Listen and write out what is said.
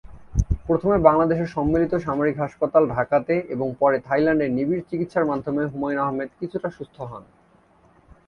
প্রথমে বাংলাদেশের সম্মিলিত সামরিক হাসপাতাল, ঢাকাতে এবং পরে থাইল্যান্ডে নিবিড় চিকিৎসার মাধ্যমে হুমায়ুন আহমেদ কিছুটা সুস্থ হন।